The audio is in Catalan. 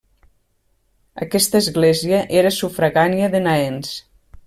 Aquesta església era sufragània de Naens.